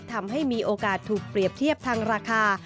ทำให้มีโอกาสถูกเปรียบเทียบทางราคา